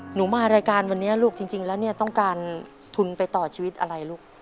หนูมารายการวันนี้ลูกจริงแล้วเนี่ยต้องการทุนไปต่อชีวิตอะไรลูก